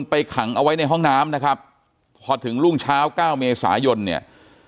ไปขังเอาไว้ในห้องน้ำนะครับพอถึงรุ่งเช้าเก้าเมษายนเนี่ย